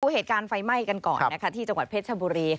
เหตุการณ์ไฟไหม้กันก่อนที่จังหวัดเพชรชบุรี